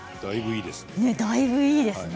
だいぶいいですね。